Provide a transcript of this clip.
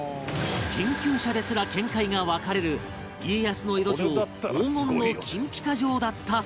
研究者ですら見解が分かれる「家康の江戸城黄金の金ピカ城だった説」